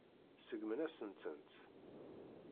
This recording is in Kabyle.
Seggmen-asen-tent.